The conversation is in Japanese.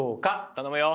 頼むよ。